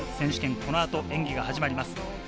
この後、演技が始まります。